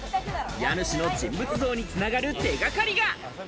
家主の人物像につながる手掛かりが。